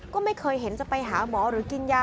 ก็ไม่เคยเห็นจะไปหาหมอหรือกินยา